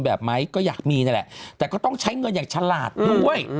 แบบไหมก็อยากมีนั่นแหละแต่ก็ต้องใช้เงินอย่างฉลาดด้วย